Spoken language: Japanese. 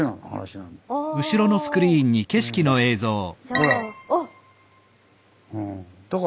ほら。